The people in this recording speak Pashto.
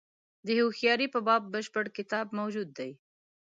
د هوښیاري په باب بشپړ کتاب موجود دی.